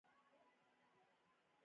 دا یوه وینا یې څو ځله پېچله